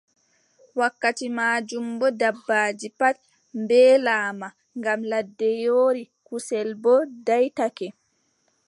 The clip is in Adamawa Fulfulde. Wakkati maajum boo, dabbaaji pat mbeelaama ngam ladde yoori, kusel boo daaytake.